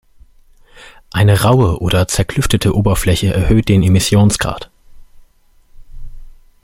Eine raue oder zerklüftete Oberfläche erhöht den Emissionsgrad.